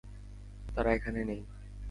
তারা এখানে নেই।